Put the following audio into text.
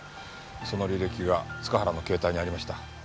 その履歴が塚原の携帯にありました。